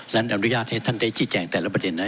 อนุญาตให้ท่านได้ชี้แจงแต่ละประเด็นนั้น